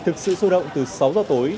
thực sự sôi động từ sáu giờ tối